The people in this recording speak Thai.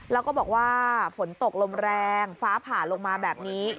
แล้วก็บอกว่าฝนตกลมแรงฟ้าผ่าลงมาแบบนี้